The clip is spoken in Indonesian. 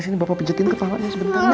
sini bapak pijetin kepalanya sebentar ya